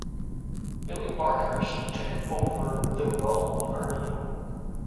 Billy Barkhurst took over the role of Ernie.